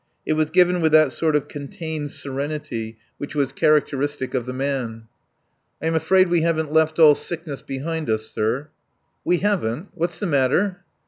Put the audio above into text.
It was given with that sort of contained serenity which was characteristic of the man. "I am afraid we haven't left all sickness behind us, sir." "We haven't! What's the matter?"